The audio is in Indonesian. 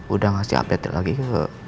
udah ngasih update lagi